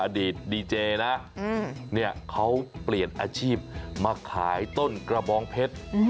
อดีตดีเจนะเนี่ยเขาเปลี่ยนอาชีพมาขายต้นกระบองเพชร